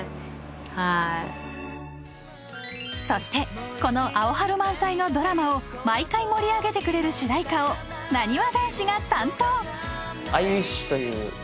はいそしてこのアオハル満載のドラマを毎回盛り上げてくれる主題歌をなにわ